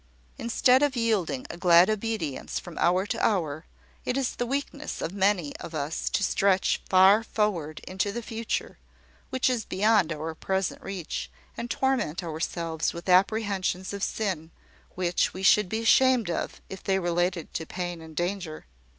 Instead of yielding a glad obedience from hour to hour, it is the weakness of many of us to stretch far forward into the future, which is beyond our present reach, and torment ourselves with apprehensions of sin, which we should be ashamed of if they related to pain and danger."